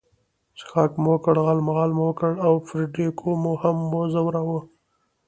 څښاک مو وکړ، غالمغال مو وکړ او فرېډریکو مو هم وځوراوه.